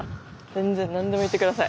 全然何でも言って下さい。